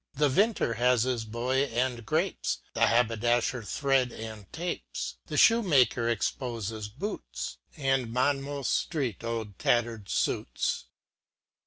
The Vintner has his boy and grapes, The Haberdafher thread and tapes, The Shoemaker expofes boots, And Monmouth Street old tatter'd fuits.